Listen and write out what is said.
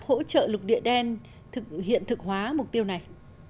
hỗ trợ lục địa đen thực hiện thực hóa mục tiêu này